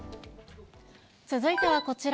続いてはこちら。